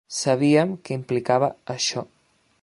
Sabíem què implicava això.